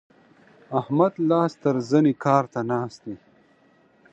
احمد لاس تر زنې کار ته ناست دی.